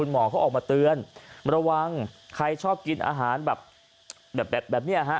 หมอเขาออกมาเตือนระวังใครชอบกินอาหารแบบแบบนี้ฮะ